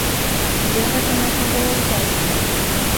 Дзе гэта можна было ўзяць?